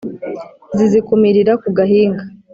zizikumirira ku gahinga